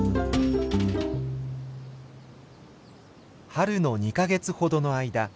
春の２か月ほどの間